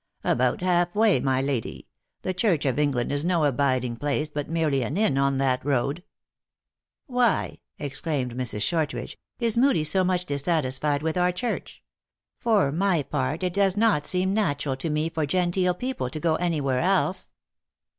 " About half way, my lady. The church of Eng land is no abiding place, but merely an inn on that road." THE ACTEESS IN HIGH LIFE. 165 " "Why," exclaimed Mrs. Shortridge, " is Moodie so much dissatisfied with our church ? For my part it does not seem natural to me for genteel people to go any where else."